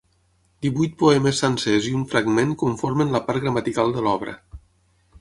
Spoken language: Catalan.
Divuit poemes sencers i un fragment conformen la part gramatical de l'obra.